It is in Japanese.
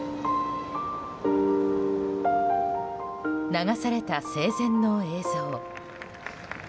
流された生前の映像。